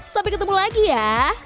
sampai ketemu lagi ya